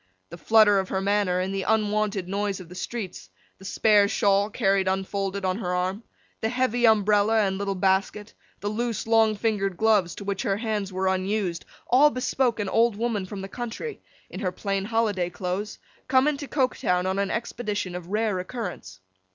The flutter of her manner, in the unwonted noise of the streets; the spare shawl, carried unfolded on her arm; the heavy umbrella, and little basket; the loose long fingered gloves, to which her hands were unused; all bespoke an old woman from the country, in her plain holiday clothes, come into Coketown on an expedition of rare occurrence.